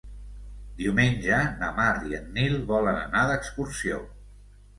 Diumenge na Mar i en Nil volen anar d'excursió.